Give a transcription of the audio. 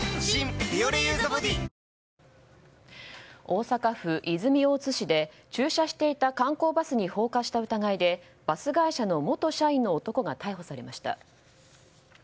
大阪府泉大津市で駐車していた観光バスに放火した疑いでバス会社の元社員の男が逮捕されました。